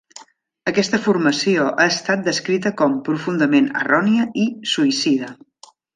Aquesta formació ha estat descrita com "profundament errònia" i "suïcida".